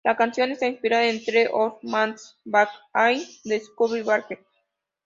La canción está inspirada en "The Old Man's Back Again" de Scott Walker.